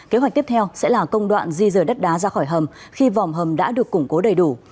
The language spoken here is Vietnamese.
kế hoạch tiếp theo sẽ là công đoạn di rời đất đá ra khỏi hầm khi vòm hầm đã được củng cố đầy đủ